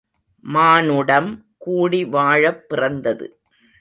மானுடம் கூடிவாழப் பிறந்தது.